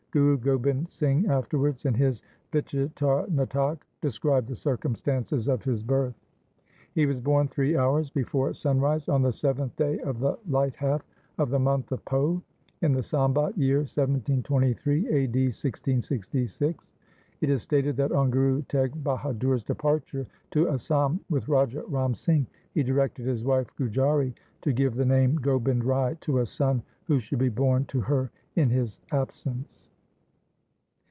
Guru Gobind Singh afterwards, in his Vichitar Natak, described the circumstances of his birth. He was born three hours before sunrise on 358 THE SIKH RELIGION the seventh day of the light half of the month of Poh, in the Sambat year 1723 (a.d. 1666). It is stated that on Guru Teg Bahadur's departure to Asam with Raja Ram Singh, he directed his wife Gujari to give the name Gobind Rai to a son who should be born to her in his absence.